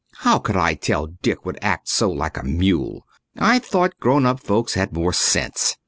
How could I tell Dick would act so like a mule? I thought grown up folks had more sense.